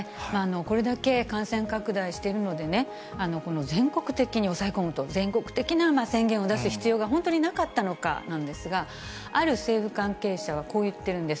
これだけ感染拡大しているのでね、全国的に抑え込むと、全国的な宣言を出す必要が本当になかったのかなんですが、ある政府関係者はこう言っているんです。